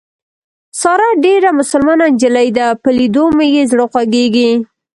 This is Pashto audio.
ساره ډېره مسلمان نجلۍ ده په لیدو مې یې زړه خوږېږي.